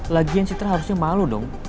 lagian citra harusnya malu dong